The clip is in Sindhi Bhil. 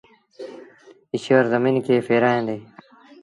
ايٚشور زميݩ کي ڦآڙيآندي۔